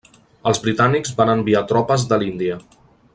Els britànics van enviar tropes de l'Índia.